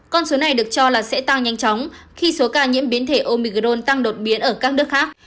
con số này được cho là sẽ tăng nhanh chóng khi số ca nhiễm biến thể omicron tăng đột biến ở các nước khác